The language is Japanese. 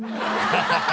アハハハ